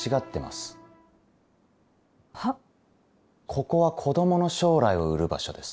ここは子供の将来を売る場所です。